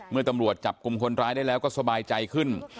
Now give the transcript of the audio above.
เมื่อตำรวจจับกลุ่มคนร้ายได้แล้วก็สบายใจขึ้น